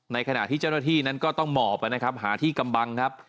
ขณะที่เจ้าหน้าที่นั้นก็ต้องหมอบนะครับหาที่กำบังครับ